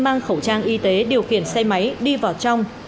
mang khẩu trang y tế điều khiển xe máy đi vào trong